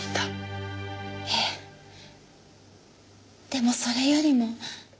でもそれよりも。